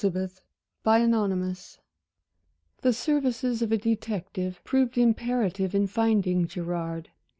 Chapter XXXIII The services of a detective proved imperative in finding Gerard.